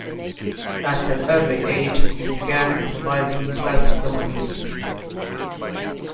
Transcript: At an early age he began improvising classical music.